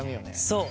そう。